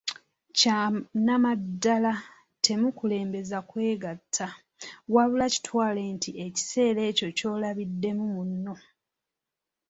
Kyanamaddala temukulembeza kwegatta, wabula kitwale nti ekiseera ekyo ky'olabiddemu munno.